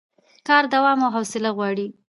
کار دوام او حوصله غواړي